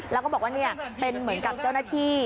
แล้วก็บอกว่าเป็นเหมือนกับเจ้าหน้าที่